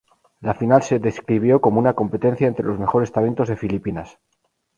La final se describió como una competencia entre los mejores talentos de Filipinas.